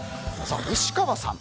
西川さん